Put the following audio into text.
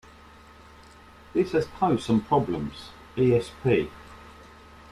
This has posed some problems, esp.